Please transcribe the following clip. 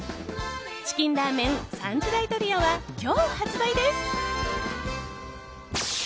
チキンラーメン３時代トリオは今日発売です。